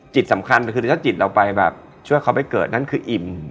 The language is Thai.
สำคัญคือถ้าจิตเราไปแบบช่วยเขาไปเกิดนั่นคืออิ่ม